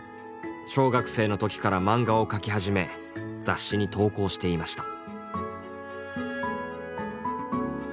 小学生の時から漫画を描き始め雑誌に投稿していました。